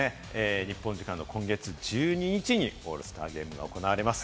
日本時間の今月１２日にオールスターゲームが行われます。